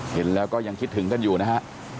เห็นแล้วก็ยังคิดถึงกันอยู่นะฮะ